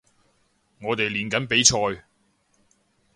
我哋練緊比賽